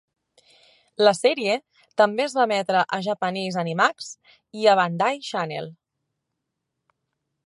La sèrie també es va emetre a Japanese Animax i a Bandai Channel.